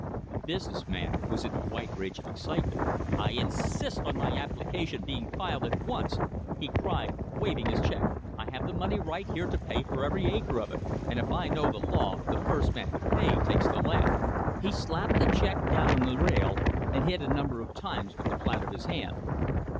The business man was in a white rage of excitement. "I insist on my application being filed at once!" he cried waving his check. "I have the money right here to pay for every acre of it; and if I know the law, the first man to pay takes the land." He slapped the check down on the rail, and hit it a number of times with the flat of his hand.